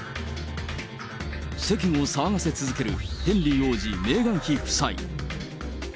世間を騒がせ続けるヘンリー王子、メーガン妃夫妻。